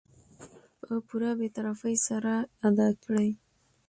په پوره بې طرفي سره ادا کړي .